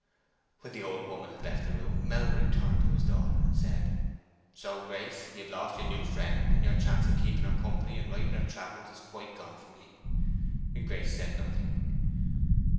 When the old woman had left the room, Melbury turned to his daughter and said, "So, Grace, you've lost your new friend, and your chance of keeping her company and writing her travels is quite gone from ye!" Grace said nothing.